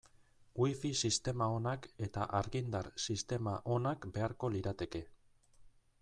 Wifi sistema onak eta argindar sistema onak beharko lirateke.